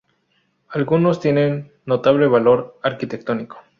Algunos tienen notable valor arquitectónico.